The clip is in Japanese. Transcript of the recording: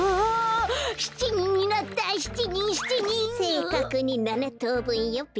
せいかくに７とうぶんよべ。